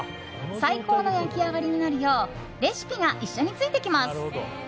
最高の焼き上がりになるようレシピが一緒についてきます。